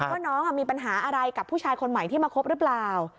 ว่าน้องมีปัญหาอะไรกับผู้ชายคนใหม่ที่มาคบหรือเปล่า